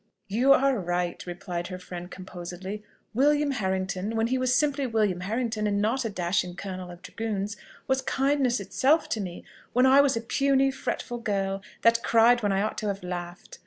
"You are right," replied her friend composedly. "William Harrington, when he was simply William Harrington, and not a dashing colonel of dragoons, was kindness itself to me, when I was a puny, fretful girl, that cried when I ought to have laughed.